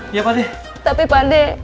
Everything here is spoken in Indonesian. iya pak deh